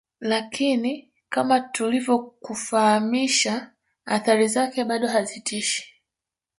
Lakini kama tulivyokufahamisha athari zake bado hazitishi